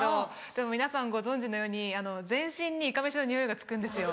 でも皆さんご存じのように全身にいかめしの匂いがつくんですよ。